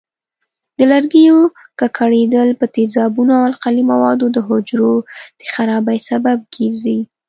د لرګیو ککړېدل په تیزابونو او القلي موادو د حجرو د خرابۍ سبب ګرځي.